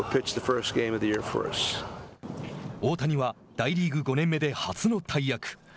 大谷は大リーグ５年目で初の大役。